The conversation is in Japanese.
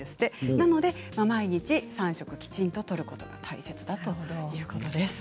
なので毎日３食きちんととることが大切だということなんです。